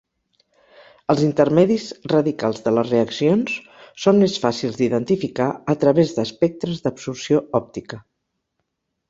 Els intermedis radicals de les reaccions són més fàcils d'identificar a través d'espectres d'absorció òptica.